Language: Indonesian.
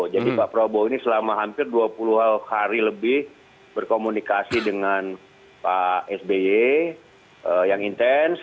jadi pak prabowo ini selama hampir dua puluh hari lebih berkomunikasi dengan pak sby yang intens